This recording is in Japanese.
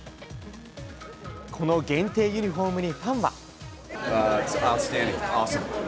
この限定ユニホームにファンは。